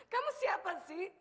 kamu siapa sih